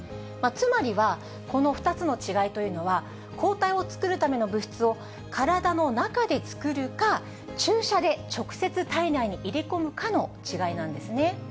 つまりは、この２つの違いというのは、抗体を作るための物質を体の中で作るか、注射で直接体内に入れ込むかの違いなんですね。